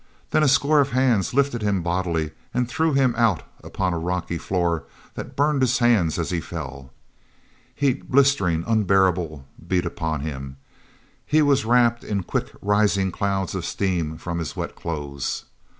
Then a score of hands lifted him bodily and threw him out upon a rocky floor that burned his hands as he fell. Heat, blistering, unbearable, beat upon him. He was wrapped in quick rising clouds of steam from his wet clothes.